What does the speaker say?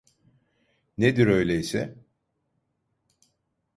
Nedir öyleyse?